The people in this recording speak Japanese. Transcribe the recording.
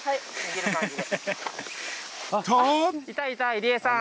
入江さん。